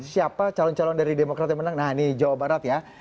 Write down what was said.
siapa calon calon dari demokrat yang menang nah ini jawa barat ya